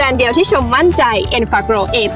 และวันนี้โรงเรียนไทรรัฐวิทยา๖๐จังหวัดพิจิตรครับ